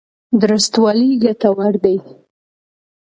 درستوالی ګټور دی.